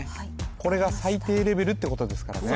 これが最低レベルってことですからね